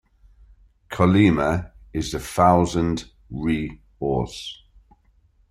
"Chollima" is the thousand-"ri" horse.